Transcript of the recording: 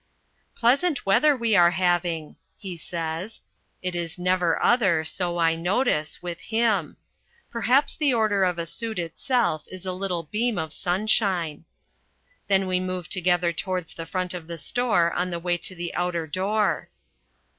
"Pleasant weather we are having," he says. It is never other, so I notice, with him. Perhaps the order of a suit itself is a little beam of sunshine. Then we move together towards the front of the store on the way to the outer door.